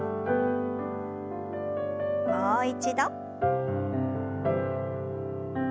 もう一度。